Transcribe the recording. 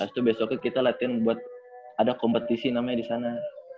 abis itu besoknya kita latihan buat ada kompetisi namanya di sana